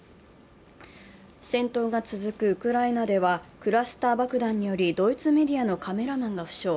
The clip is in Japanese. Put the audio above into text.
戦闘が続くウクライナではクラスター爆弾によりドイツメディアのカメラマンが負傷。